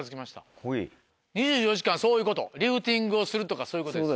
２４時間そういうことリフティングをするとかそういうことです。